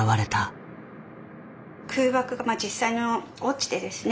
空爆が実際に落ちてですね